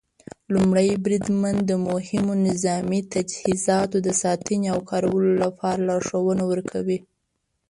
لومړی بریدمن د مهمو نظامي تجهیزاتو د ساتنې او کارولو لپاره لارښوونې ورکوي.